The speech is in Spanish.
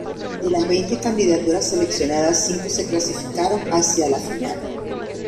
De las veinte candidaturas seleccionadas, cinco se clasificaron hacia la final.